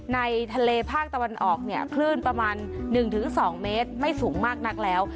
ในทะเลภาคตะวันออกเนี่ยคลื่นประมาณ๑๒เมตรไม่สูงมากนักแล้ว